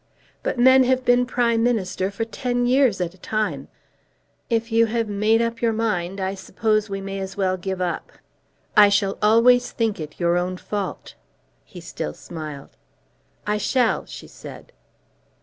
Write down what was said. "But men have been Prime Ministers for ten years at a time. If you have made up your mind, I suppose we may as well give up. I shall always think it your own fault." He still smiled. "I shall," she said.